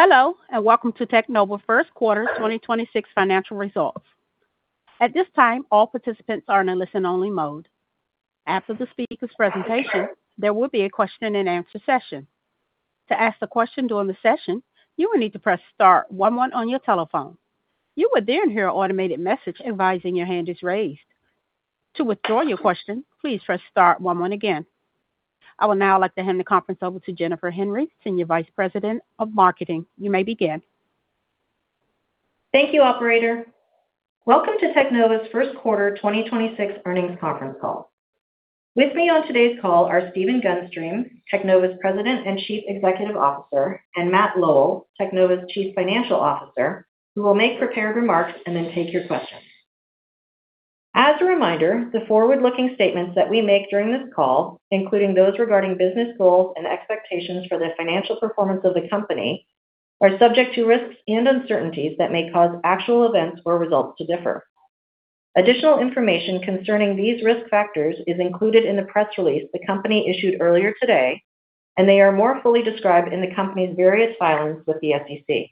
Hello, welcome to Teknova first quarter 2026 financial results. At this time, all participants are in a listen-only mode. After the speaker's presentation, there will be a question-and-answer session. To ask a question during the session, you will need to press star one one on your telephone. You will hear an automated message advising your hand is raised. To withdraw your question, please press star one one again. I will now like to hand the conference over to Jennifer Henry, Senior Vice President of Marketing. You may begin. Thank you, operator. Welcome to Teknova's first quarter 2026 earnings conference call. With me on today's call are Stephen Gunstream, Teknova's President and Chief Executive Officer, and Matt Lowell, Teknova's Chief Financial Officer, who will make prepared remarks and then take your questions. As a reminder, the forward-looking statements that we make during this call, including those regarding business goals and expectations for the financial performance of the company, are subject to risks and uncertainties that may cause actual events or results to differ. Additional information concerning these risk factors is included in the press release the company issued earlier today, and they are more fully described in the company's various filings with the SEC.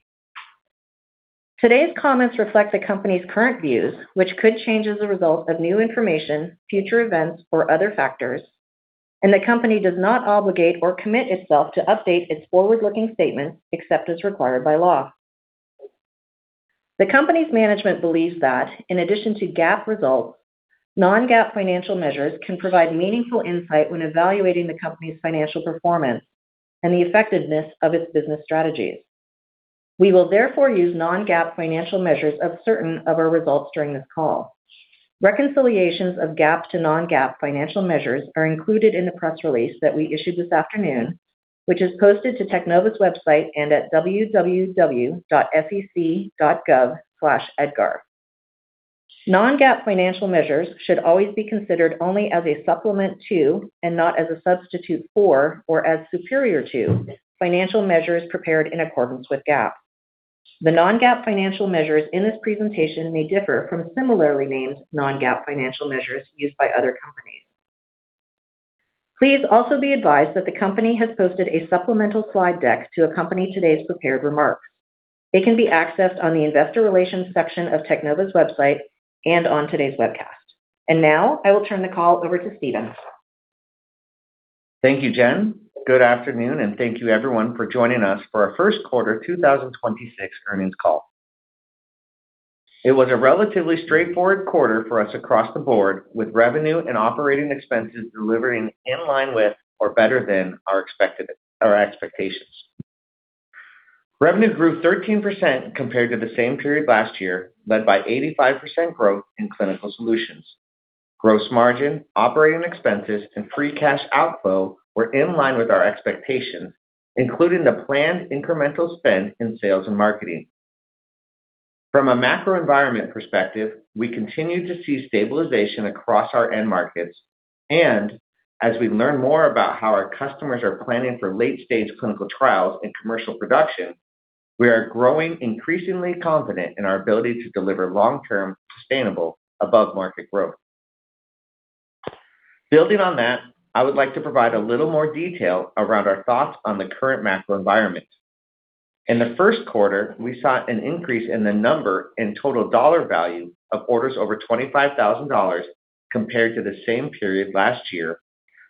Today's comments reflect the company's current views, which could change as a result of new information, future events, or other factors. The company does not obligate or commit itself to update its forward-looking statements except as required by law. The company's management believes that in addition to GAAP results, non-GAAP financial measures can provide meaningful insight when evaluating the company's financial performance and the effectiveness of its business strategies. We will therefore use non-GAAP financial measures of certain of our results during this call. Reconciliations of GAAP to non-GAAP financial measures are included in the press release that we issued this afternoon, which is posted to Teknova's website and at www.sec.gov/edgar. Non-GAAP financial measures should always be considered only as a supplement to, and not as a substitute for or as superior to, financial measures prepared in accordance with GAAP. The non-GAAP financial measures in this presentation may differ from similarly named non-GAAP financial measures used by other companies. Please also be advised that the company has posted a supplemental slide deck to accompany today's prepared remarks. It can be accessed on the investor relations section of Teknova's website and on today's webcast. Now I will turn the call over to Stephen. Thank you, Jen. Good afternoon, everyone for joining us for our first quarter 2026 earnings call. It was a relatively straightforward quarter for us across the board, with revenue and operating expenses delivering in line with or better than our expectations. Revenue grew 13% compared to the same period last year, led by 85% growth in Clinical Solutions. Gross margin, operating expenses, and free cash outflow were in line with our expectations, including the planned incremental spend in sales and marketing. From a macro environment perspective, we continue to see stabilization across our end markets. As we learn more about how our customers are planning for late-stage clinical trials and commercial production, we are growing increasingly confident in our ability to deliver long-term, sustainable above-market growth. Building on that, I would like to provide a little more detail around our thoughts on the current macro environment. In the first quarter, we saw an increase in the number and total dollar value of orders over $25,000 compared to the same period last year,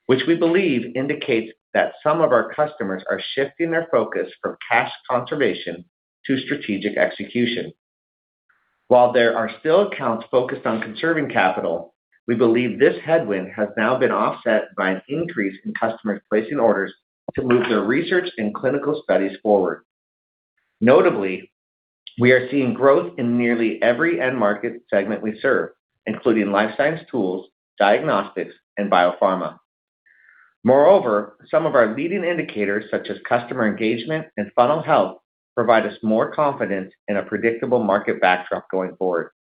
which we believe indicates that some of our customers are shifting their focus from cash conservation to strategic execution. While there are still accounts focused on conserving capital, we believe this headwind has now been offset by an increase in customers placing orders to move their research and clinical studies forward. Notably, we are seeing growth in nearly every end market segment we serve, including life science tools, diagnostics, and biopharma. Some of our leading indicators, such as customer engagement and funnel health, provide us more confidence in a predictable market backdrop going forward.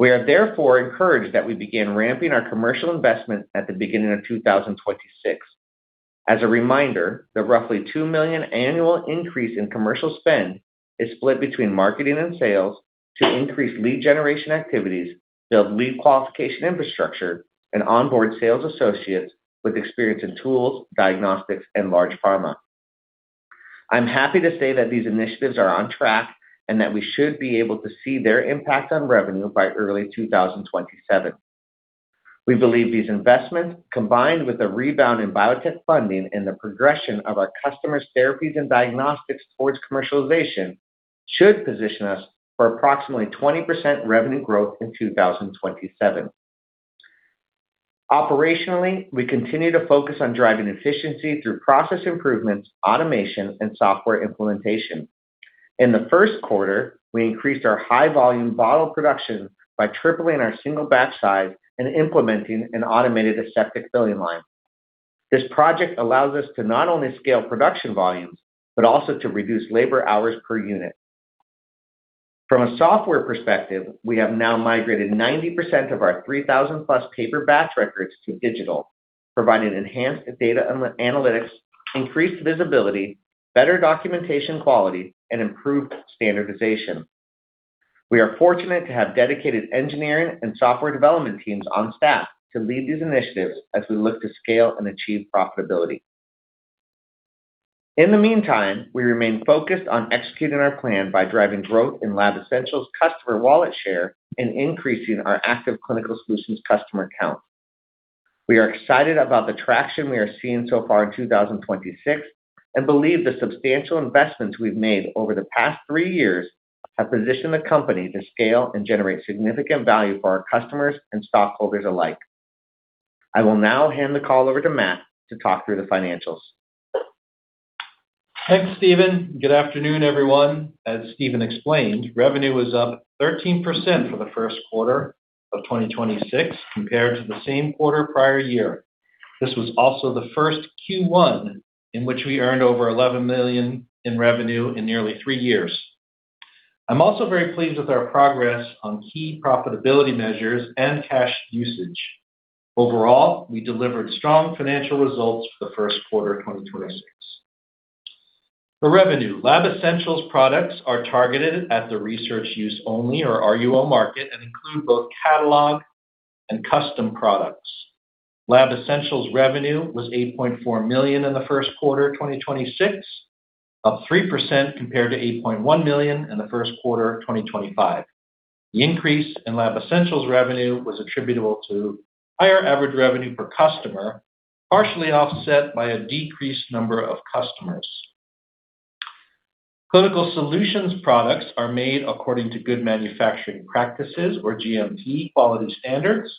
We are therefore encouraged that we begin ramping our commercial investment at the beginning of 2026. As a reminder, the roughly $2 million annual increase in commercial spend is split between marketing and sales to increase lead generation activities, build lead qualification infrastructure, and onboard sales associates with experience in tools, diagnostics, and large pharma. I'm happy to say that these initiatives are on track and that we should be able to see their impact on revenue by early 2027. We believe these investments, combined with the rebound in biotech funding and the progression of our customers' therapies and diagnostics towards commercialization, should position us for approximately 20% revenue growth in 2027. Operationally, we continue to focus on driving efficiency through process improvements, automation, and software implementation. In the first quarter, we increased our high-volume bottle production by tripling our single batch size and implementing an automated aseptic filling line. This project allows us to not only scale production volumes, but also to reduce labor hours per unit. From a software perspective, we have now migrated 90% of our 3,000+ paper batch records to digital, providing enhanced data analytics, increased visibility, better documentation quality, and improved standardization. We are fortunate to have dedicated engineering and software development teams on staff to lead these initiatives as we look to scale and achieve profitability. In the meantime, we remain focused on executing our plan by driving growth in Lab Essentials customer wallet share and increasing our active Clinical Solutions customer count. We are excited about the traction we are seeing so far in 2026, and believe the substantial investments we've made over the past three years have positioned the company to scale and generate significant value for our customers and stockholders alike. I will now hand the call over to Matt to talk through the financials. Thanks, Stephen. Good afternoon, everyone. As Stephen explained, revenue was up 13% for the first quarter of 2026 compared to the same quarter prior year. This was also the first Q1 in which we earned over $11 million in revenue in nearly three years. I'm also very pleased with our progress on key profitability measures and cash usage. Overall, we delivered strong financial results for the first quarter of 2026. For revenue, Lab Essentials products are targeted at the research use only or RUO market and include both catalog and custom products. Lab Essentials revenue was $8.4 million in the first quarter of 2026, up 3% compared to $8.1 million in the first quarter of 2025. The increase in Lab Essentials revenue was attributable to higher average revenue per customer, partially offset by a decreased number of customers. Clinical Solutions products are made according to good manufacturing practices or GMP quality standards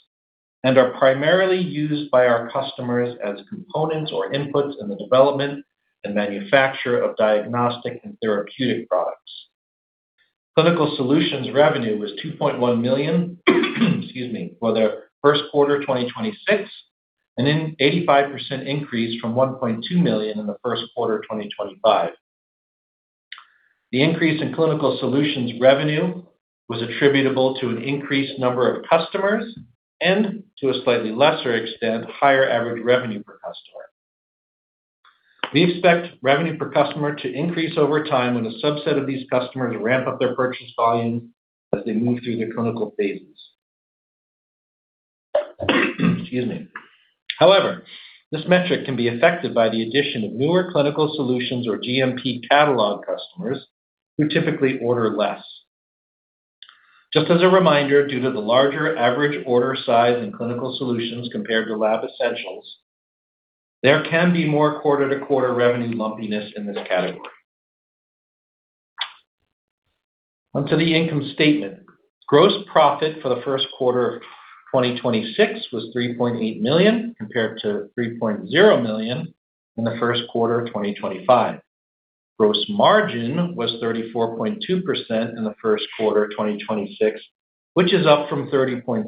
and are primarily used by our customers as components or inputs in the development and manufacture of diagnostic and therapeutic products. Clinical Solutions revenue was $2.1 million excuse me, for their first quarter of 2026, an 85% increase from $1.2 million in the first quarter of 2025. The increase in Clinical Solutions revenue was attributable to an increased number of customers and, to a slightly lesser extent, higher average revenue per customer. We expect revenue per customer to increase over time when a subset of these customers ramp up their purchase volume as they move through the clinical phases. Excuse me. This metric can be affected by the addition of newer Clinical Solutions or GMP catalog customers who typically order less. Just as a reminder, due to the larger average order size in Clinical Solutions compared to Lab Essentials, there can be more quarter-to-quarter revenue lumpiness in this category. Onto the income statement. Gross profit for the first quarter of 2026 was $3.8 million, compared to $3.0 million in the first quarter of 2025. Gross margin was 34.2% in the first quarter of 2026, which is up from 30.7%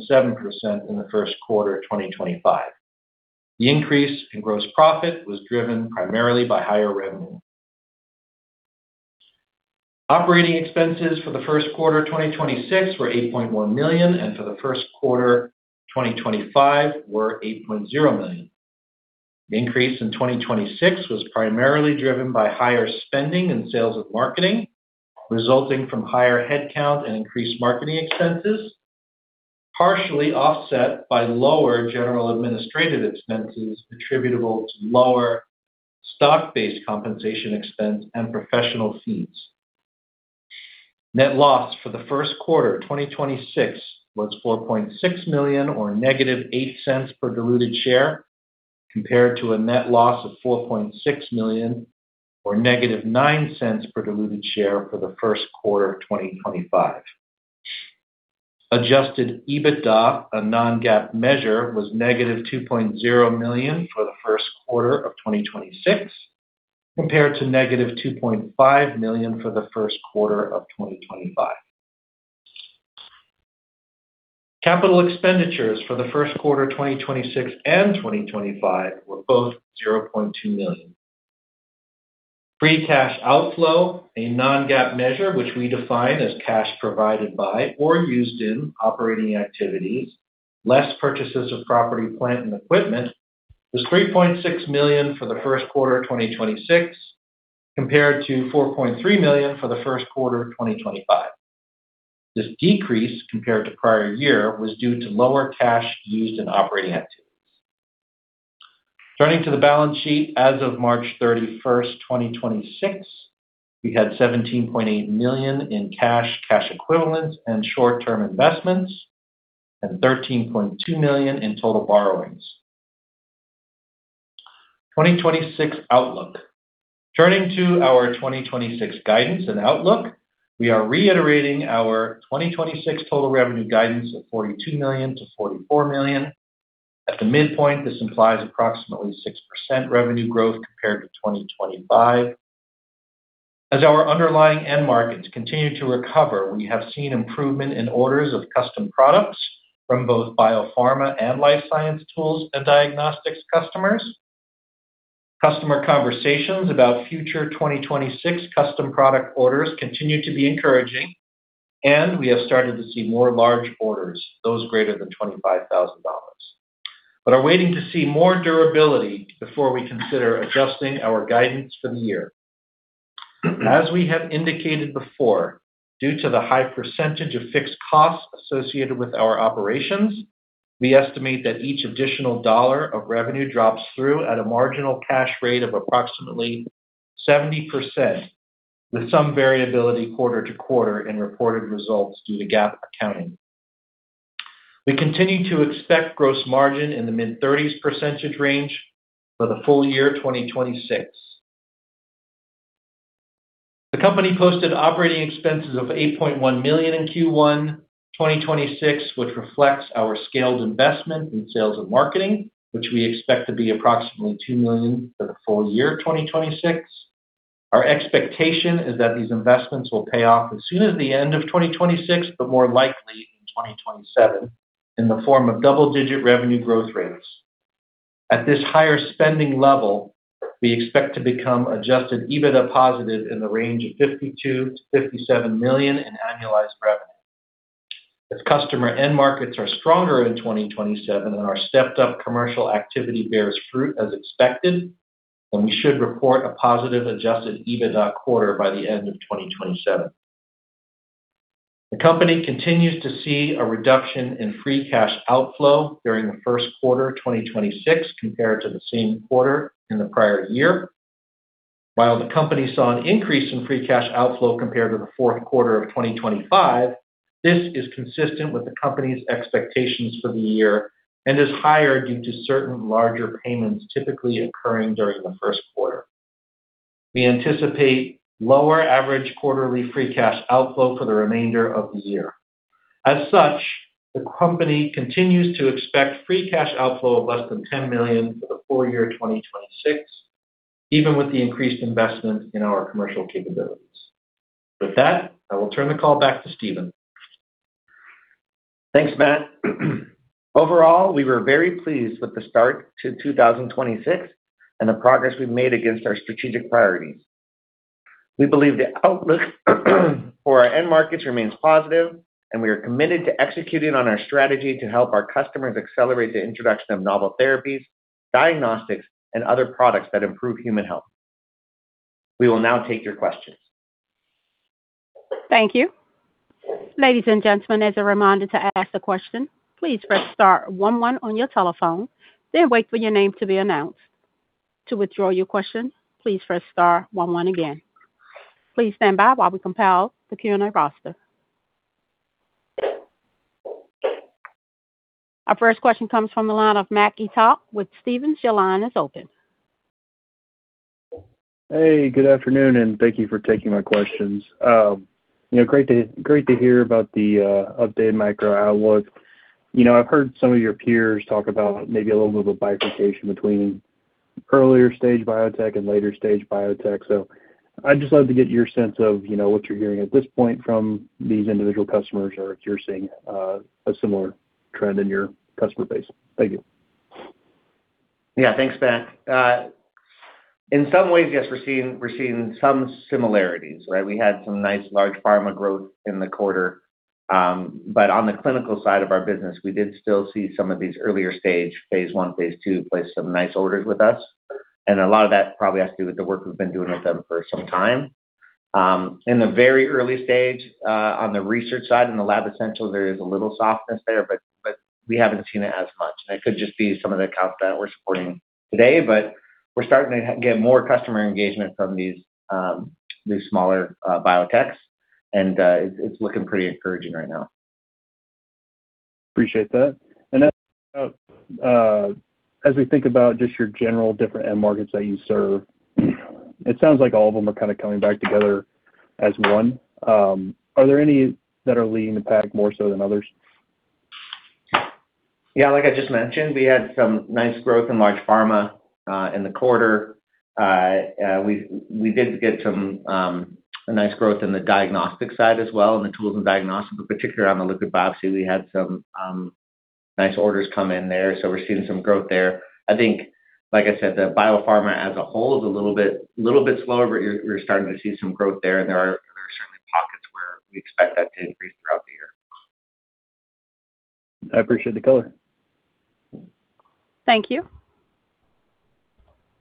in the first quarter of 2025. The increase in gross profit was driven primarily by higher revenue. Operating expenses for the first quarter of 2026 were $8.1 million and for the first quarter of 2025 were $8.0 million. The increase in 2026 was primarily driven by higher spending in sales and marketing, resulting from higher headcount and increased marketing expenses, partially offset by lower general administrative expenses attributable to lower stock-based compensation expense and professional fees. Net loss for the first quarter of 2026 was $4.6 million or -$0.08 per diluted share, compared to a net loss of $4.6 million or -$0.09 per diluted share for the first quarter of 2025. Adjusted EBITDA, a non-GAAP measure, was -$2.0 million for the first quarter of 2026, compared to -$2.5 million for the first quarter of 2025. Capital expenditures for the first quarter of 2026 and 2025 were both $0.2 million. Free cash outflow, a non-GAAP measure which we define as cash provided by or used in operating activities, less purchases of property, plant, and equipment, was $3.6 million for the first quarter of 2026, compared to $4.3 million for the first quarter of 2025. This decrease compared to prior year was due to lower cash used in operating activities. Turning to the balance sheet, as of March 31st, 2026, we had $17.8 million in cash equivalents, and short-term investments, and $13.2 million in total borrowings. 2026 outlook. Turning to our 2026 guidance and outlook, we are reiterating our 2026 total revenue guidance of $42 million-$44 million. At the midpoint, this implies approximately 6% revenue growth compared to 2025. As our underlying end markets continue to recover, we have seen improvement in orders of custom products from both biopharma and life science tools and diagnostics customers. Customer conversations about future 2026 custom product orders continue to be encouraging, and we have started to see more large orders, those greater than $25,000. Are waiting to see more durability before we consider adjusting our guidance for the year. As we have indicated before, due to the high percentage of fixed costs associated with our operations, we estimate that each additional dollar of revenue drops through at a marginal cash rate of approximately 70%, with some variability quarter to quarter in reported results due to GAAP accounting. We continue to expect gross margin in the mid thirties % range for the full year 2026. The company posted operating expenses of $8.1 million in Q1 2026, which reflects our scaled investment in sales and marketing, which we expect to be approximately $2 million for the full year 2026. Our expectation is that these investments will pay off as soon as the end of 2026, but more likely in 2027 in the form of double-digit revenue growth rates. At this higher spending level, we expect to become Adjusted EBITDA positive in the range of $52 million-$57 million in annualized revenue. If customer end markets are stronger in 2027 and our stepped up commercial activity bears fruit as expected, we should report a positive Adjusted EBITDA quarter by the end of 2027. The company continues to see a reduction in free cash outflow during the first quarter of 2026 compared to the same quarter in the prior year. While the company saw an increase in free cash outflow compared to the fourth quarter of 2025, this is consistent with the company's expectations for the year and is higher due to certain larger payments typically occurring during the first quarter. We anticipate lower average quarterly free cash outflow for the remainder of the year. The company continues to expect free cash outflow of less than $10 million for the full year 2026, even with the increased investment in our commercial capabilities. With that, I will turn the call back to Stephen. Thanks, Matt. Overall, we were very pleased with the start to 2026 and the progress we've made against our strategic priorities. We believe the outlook for our end markets remains positive, and we are committed to executing on our strategy to help our customers accelerate the introduction of novel therapies, diagnostics, and other products that improve human health. We will now take your questions. Thank you. Ladies and gentlemen, as a reminder to ask a question, please press star one one on your telephone, then wait for your name to be announced. To withdraw your question, please press star one one again. Please stand by while we compile the Q&A roster. Our first question comes from the line of Mac Etoch with Stephens. Your line is open. Hey, good afternoon, and thank you for taking my questions. You know, great to hear about the updated macro outlook. You know, I've heard some of your peers talk about maybe a little bit of a bifurcation between earlier stage biotech and later stage biotech. I'd just love to get your sense of, you know, what you're hearing at this point from these individual customers or if you're seeing a similar trend in your customer base. Thank you. Yeah, thanks, Mac. In some ways, yes, we're seeing some similarities, right? We had some nice large pharma growth in the quarter. But on the clinical side of our business, we did still see some of these earlier stage, phase I, phase II, place some nice orders with us. A lot of that probably has to do with the work we've been doing with them for some time. In the very early stage, on the research side, in the Lab Essentials, there is a little softness there, but we haven't seen it as much. It could just be some of the accounts that we're supporting today, but we're starting to get more customer engagement from these smaller biotechs. It's, it's looking pretty encouraging right now. Appreciate that. As we think about just your general different end markets that you serve, it sounds like all of them are kind of coming back together as one. Are there any that are leading the pack more so than others? Yeah, like I just mentioned, we had some nice growth in large pharma in the quarter. We did get some nice growth in the diagnostic side as well, in the tools and diagnostics, but particularly on the liquid biopsy, we had some nice orders come in there. We're seeing some growth there. I think, like I said, the biopharma as a whole is a little bit slower, but you're starting to see some growth there. There are certainly pockets where we expect that to increase throughout the year. I appreciate the color. Thank you.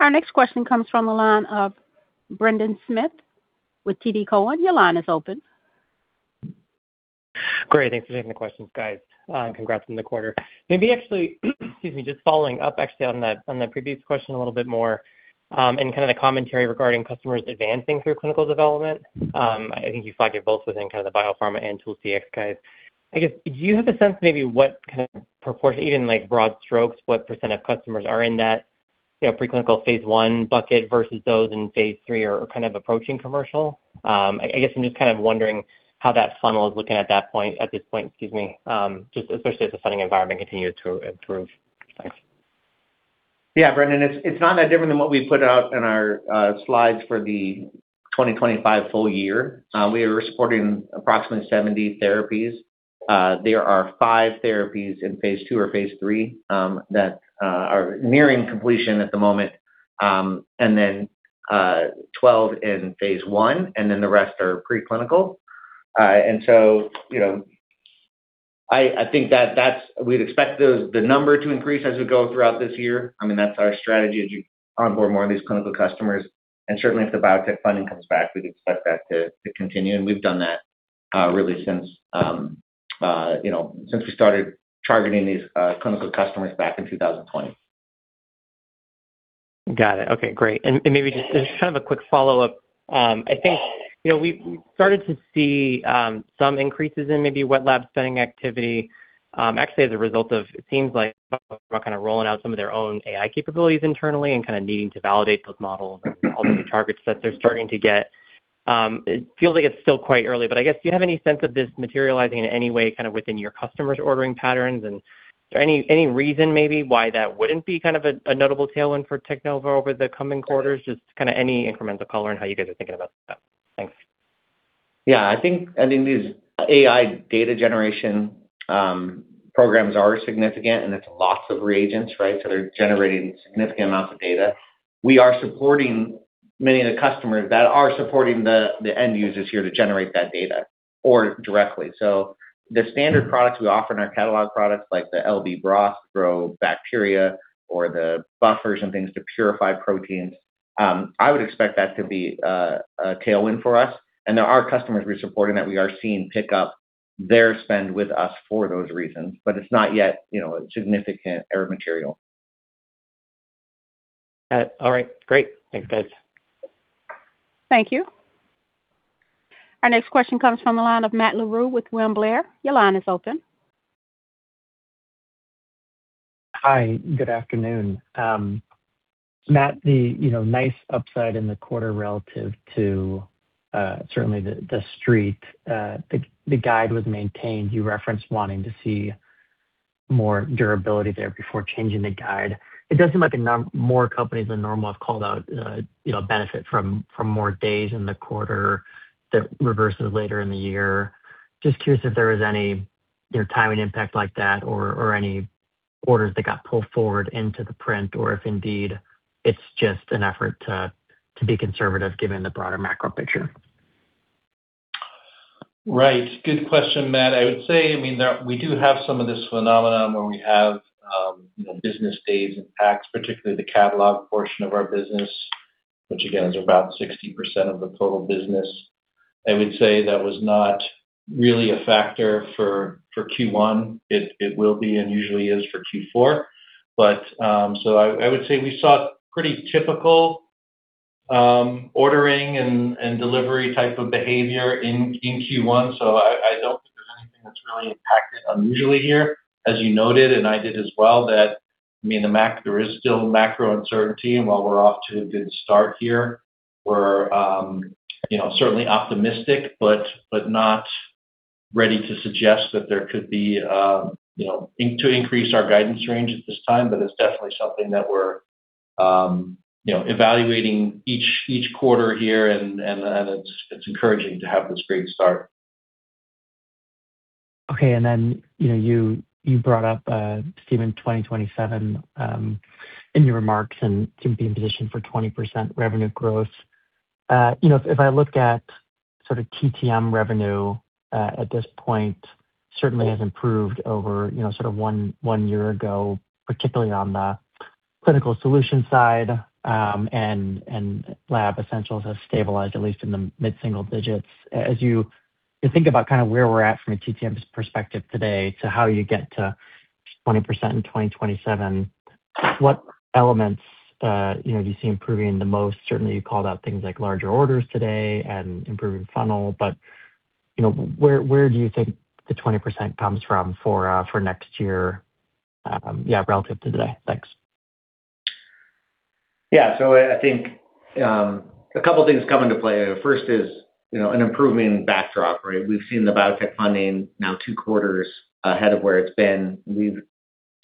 Our next question comes from the line of Brendan Smith with TD Cowen. Your line is open. Great. Thanks for taking the questions, guys. Congrats on the quarter. Maybe actually, excuse me, just following up actually on that previous question a little bit more, and kind of the commentary regarding customers advancing through clinical development. I think you flagged it both within kind of the biopharma and tools and Dx guys. I guess, do you have a sense maybe what kind of proportion, even like broad strokes, what percent of customers are in that, you know, preclinical phase I bucket versus those in phase III or kind of approaching commercial? I guess I'm just kind of wondering how that funnel is looking at this point, excuse me, just especially as the funding environment continues to improve. Thanks. Yeah, Brendan, it's not that different than what we put out in our slides for the 2025 full year. We are supporting approximately 70 therapies. There are five therapies in phase II or phase III that are nearing completion at the moment. 12 in phase I, and then the rest are preclinical. You know, I think we'd expect the number to increase as we go throughout this year. I mean, that's our strategy as you onboard more of these clinical customers. Certainly if the biotech funding comes back, we'd expect that to continue. We've done that really since, you know, since we started targeting these clinical customers back in 2020. Got it. Okay, great. Maybe just kind of a quick follow-up. I think, you know, we've started to see some increases in maybe wet lab spending activity, actually as a result of, it seems like kind of rolling out some of their own AI capabilities internally and kind of needing to validate those models and all the new target sets they're starting to get. It feels like it's still quite early, but I guess, do you have any sense of this materializing in any way kind of within your customers' ordering patterns? Is there any reason maybe why that wouldn't be kind of a notable tailwind for Teknova over the coming quarters? Just kind of any incremental color on how you guys are thinking about that. Thanks. Yeah. I think these AI data generation programs are significant, it's lots of reagents, right? They're generating significant amounts of data. We are supporting many of the customers that are supporting the end users here to generate that data or directly. The standard products we offer in our catalog products, like the LB broth, grow bacteria or the buffers and things to purify proteins, I would expect that to be a tailwind for us. There are customers we're supporting that we are seeing pick up their spend with us for those reasons, it's not yet, you know, a significant material. Got it. All right. Great. Thanks, guys. Thank you. Our next question comes from the line of Matt Larew with William Blair. Your line is open. Hi, good afternoon. Matt, the, you know, nice upside in the quarter relative to certainly the street, the guide was maintained. You referenced wanting to see more durability there before changing the guide. It does seem like more companies than normal have called out, you know, benefit from more days in the quarter that reverses later in the year. Just curious if there was any, you know, timing impact like that or any orders that got pulled forward into the print or if indeed it's just an effort to be conservative given the broader macro picture. Right. Good question, Matt. I would say, I mean, we do have some of this phenomenon where we have, you know, business days impacts, particularly the catalog portion of our business, which again is about 60% of the total business. I would say that was not really a factor for Q1. It will be and usually is for Q4. I would say we saw pretty typical ordering and delivery type of behavior in Q1, I don't think there's anything that's really impacted unusually here. As you noted, and I did as well, that, I mean, there is still macro uncertainty and while we're off to a good start here, we're, you know, certainly optimistic, but not ready to suggest that there could be, you know, in to increase our guidance range at this time. It's definitely something that we're, you know, evaluating each quarter here and it's encouraging to have this great start. Okay. You know, you brought up Stephen, 2027, in your remarks to be in position for 20% revenue growth. You know, if I look at sort of TTM revenue at this point, certainly has improved over, you know, sort of one year ago, particularly on the Clinical Solutions side, and Lab Essentials has stabilized at least in the mid-single digits. As you think about kind of where we're at from a TTM perspective today to how you get to 20% in 2027, what elements, you know, do you see improving the most? Certainly, you called out things like larger orders today and improving funnel, you know, where do you think the 20% comes from for next year, relative to today? Thanks. Yeah. I think a couple of things come into play. First is, you know, an improving backdrop, right? We've seen the biotech funding now two quarters ahead of where it's been. We've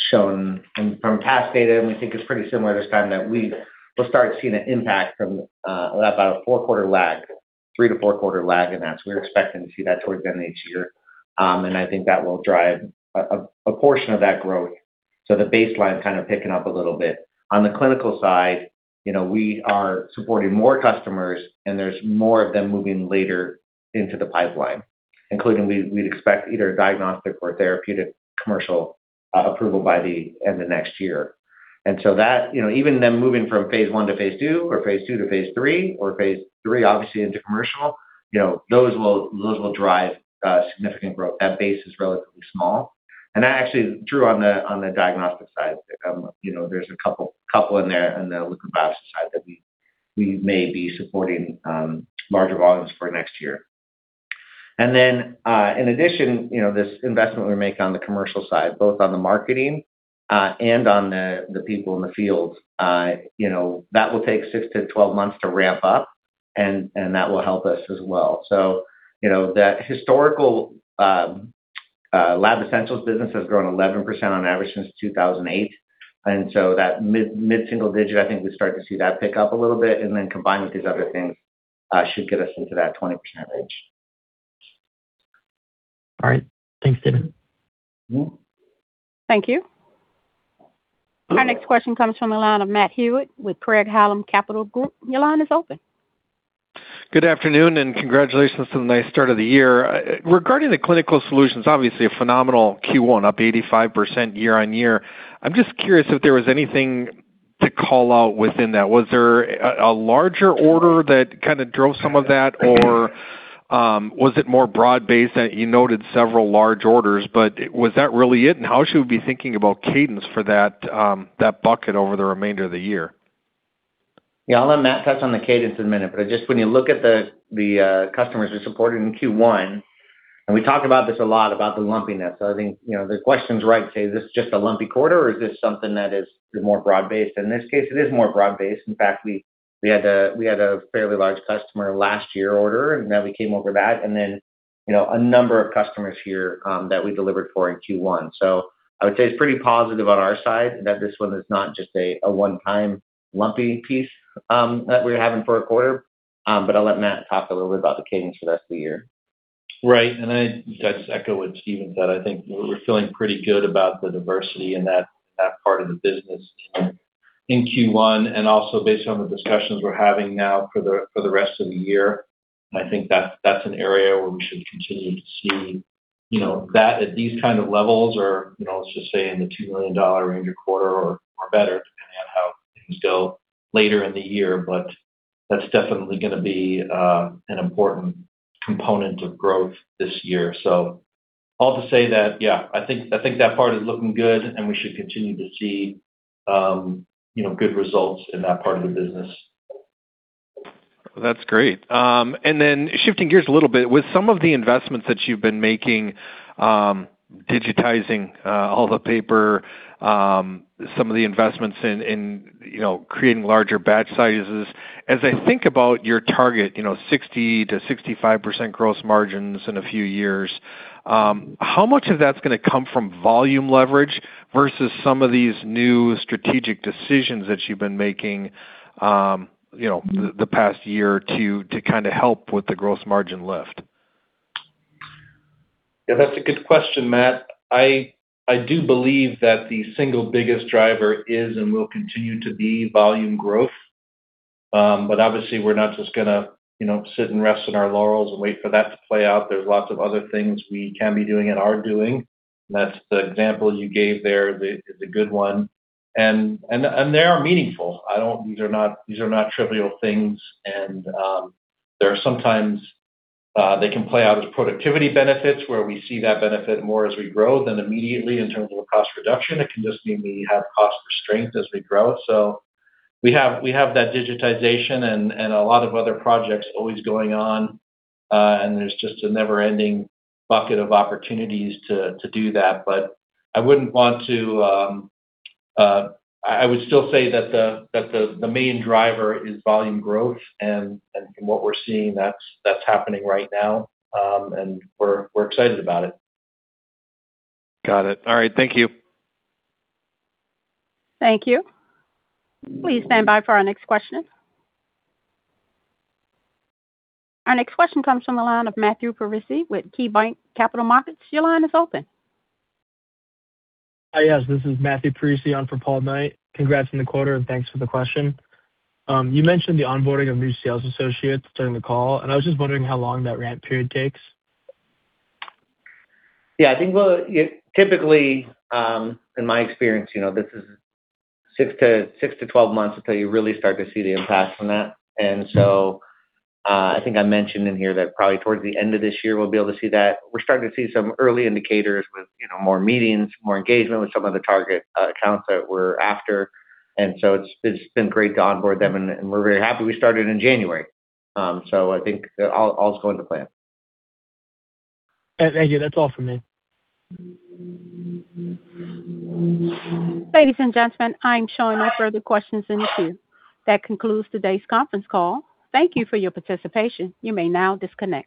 shown and from past data, and we think it's pretty similar this time, that we will start seeing an impact from about a four-quarter lag, three to four-quarter lag in that. We're expecting to see that towards the end of next year. I think that will drive a portion of that growth. The baseline's kind of picking up a little bit. On the clinical side, you know, we are supporting more customers, and there's more of them moving later into the pipeline, including we'd expect either a diagnostic or therapeutic commercial approval by the end of next year. That, you know, even them moving from phase I to phase II or phase II to phase III or phase III obviously into commercial, you know, those will drive significant growth. That base is relatively small. That actually true on the, on the diagnostic side. You know, there's a couple in there in the leukapheresis side that we may be supporting larger volumes for next year. In addition, you know, this investment we make on the commercial side, both on the marketing and on the people in the field, you know, that will take six months to 12 months to ramp up and that will help us as well. You know, that historical Lab Essentials business has grown 11% on average since 2008. That mid-single digit, I think we start to see that pick up a little bit and then combined with these other things, should get us into that 20%. All right. Thanks, Stephen. Thank you. Our next question comes from the line of Matt Hewitt with Craig-Hallum Capital Group. Your line is open. Good afternoon, congratulations to the nice start of the year. Regarding the Clinical Solutions, obviously a phenomenal Q1, up 85% year-on-year. I'm just curious if there was anything to call out within that. Was there a larger order that kinda drove some of that? Was it more broad-based? You noted several large orders, was that really it? How should we be thinking about cadence for that bucket over the remainder of the year? Yeah, I'll let Matt touch on the cadence in a minute. Just when you look at the customers we supported in Q1, and we talk about this a lot, about the lumpiness. I think, you know, the question's right. Say, is this just a lumpy quarter, or is this something that is more broad-based? In this case, it is more broad-based. In fact, we had a fairly large customer last year order, and now we came over that. Then, you know, a number of customers here that we delivered for in Q1. I would say it's pretty positive on our side that this one is not just a one-time lumpy piece that we're having for a quarter. I'll let Matt talk a little bit about the cadence for the rest of the year. Right. I just echo what Stephen said. I think we're feeling pretty good about the diversity in that part of the business in Q1, and also based on the discussions we're having now for the rest of the year. I think that's an area where we should continue to see, you know, that at these kind of levels or, you know, let's just say in the $2 million range a quarter or better, depending on how things go later in the year. That's definitely going to be an important component of growth this year. All to say that, yeah, I think that part is looking good, and we should continue to see, you know, good results in that part of the business. That's great. Shifting gears a little bit, with some of the investments that you've been making, digitizing, all the paper, some of the investments in, you know, creating larger batch sizes. As I think about your target, you know, 60%-65% gross margins in a few years, how much of that's gonna come from volume leverage versus some of these new strategic decisions that you've been making, you know, the past year to kinda help with the gross margin lift? Yeah, that's a good question, Matt. I do believe that the single biggest driver is and will continue to be volume growth. Obviously, we're not just gonna, you know, sit and rest on our laurels and wait for that to play out. There's lots of other things we can be doing and are doing. That's the example you gave there, is a good one. They are meaningful. These are not trivial things. There are sometimes they can play out as productivity benefits where we see that benefit more as we grow than immediately in terms of a cost reduction. It can just mean we have cost restraint as we grow. We have that digitization and a lot of other projects always going on, and there's just a never-ending bucket of opportunities to do that. I wouldn't want to. I would still say that the main driver is volume growth. From what we're seeing, that's happening right now. We're excited about it. Got it. All right. Thank you. Thank you. Please stand by for our next question. Our next question comes from the line of Matthew Parisi with KeyBanc Capital Markets. Your line is open. Hi. Yes, this is Matthew Parisi on for Paul Knight. Congrats on the quarter, and thanks for the question. You mentioned the onboarding of new sales associates during the call, and I was just wondering how long that ramp period takes. I think, typically, in my experience, you know, this is six to 12 months until you really start to see the impact from that. I think I mentioned in here that probably towards the end of this year, we'll be able to see that. We're starting to see some early indicators with, you know, more meetings, more engagement with some of the target accounts that we're after. It's been great to onboard them, and we're very happy we started in January. I think all is going to plan. Thank you. That's all for me. Ladies and gentlemen, I'm showing no further questions in the queue. That concludes today's conference call. Thank you for your participation. You may now disconnect.